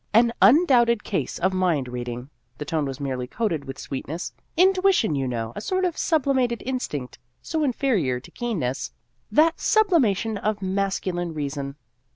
"An undoubted case of mind reading" the tone was merely coated with sweetness; " intuition, you know, a sort of sublimated instinct, so inferior to keenness that sub limation of masculine reason."